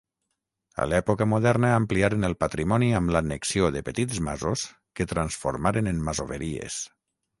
A l'època moderna ampliaren el patrimoni amb l'annexió de petits masos que transformaren en masoveries.